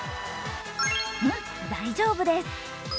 うん、大丈夫です。